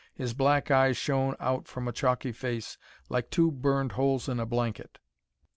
His black eyes shone out from a chalky face like two burned holes in a blanket.